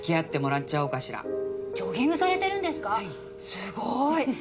すごーい！